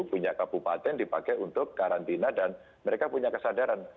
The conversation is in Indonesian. punya kabupaten dipakai untuk karantina dan mereka punya kesadaran